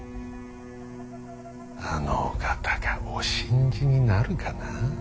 あのお方がお信じになるかな。